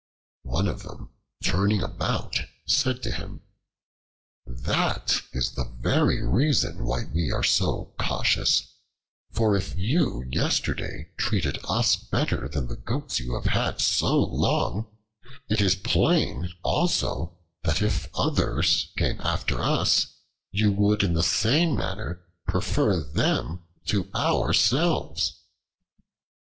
One of them, turning about, said to him: "That is the very reason why we are so cautious; for if you yesterday treated us better than the Goats you have had so long, it is plain also that if others came after us, you would in the same manner prefer them to ourselves."